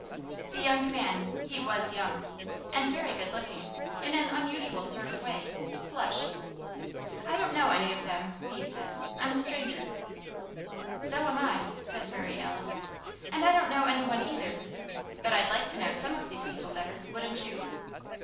The young man he was young, and very good looking, in an unusual sort of way flushed. "I don't know any of them," he said; "I'm a stranger." "So am I," said Mary Alice, "and I don't know any one either. But I'd like to know some of these people better; wouldn't you?"